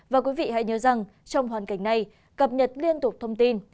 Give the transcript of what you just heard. và quý vị hãy nhớ rằng trong hoàn cảnh này cập nhật liên tục thông tin